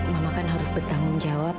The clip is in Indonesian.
mama kan harus bertanggung jawab